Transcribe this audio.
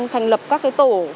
thành lập các cái tổ